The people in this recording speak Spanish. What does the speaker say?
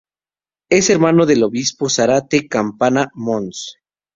Es hermano del Obispo de Zarate-Campana, Mons.